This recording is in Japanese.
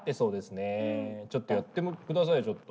ちょっとやってくださいよちょっと。